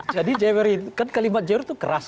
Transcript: jadi kan kalimat jewer itu keras ya